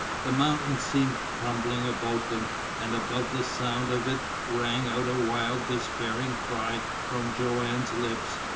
The mountain seemed crumbling about them, and above the sound of it rang out a wild, despairing cry from Joanne's lips.